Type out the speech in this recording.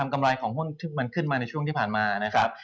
กำไรของหุ้นที่มันขึ้นมาในช่วงที่ผ่านมานะครับ